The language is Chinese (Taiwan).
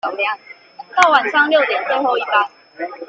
到晚上六點最後一班